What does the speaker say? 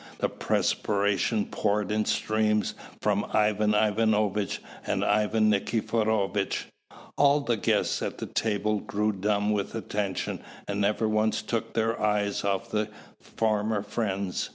The perspiration poured in streams from Ivan Ivanovitch and Ivan Nikiforovitch. All the guests at the table grew dumb with attention, and never once took their eyes off the former friends.